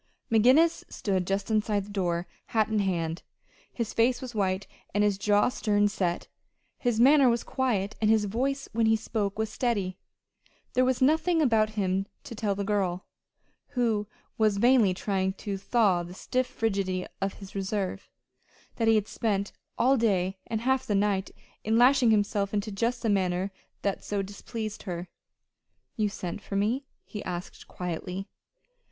McGinnis stood just inside the door, hat in hand. His face was white, and his jaw stern set. His manner was quiet, and his voice when he spoke was steady. There was nothing about him to tell the girl who was vainly trying to thaw the stiff frigidity of his reserve that he had spent all day and half the night in lashing himself into just this manner that so displeased her. "You sent for me?" he asked quietly.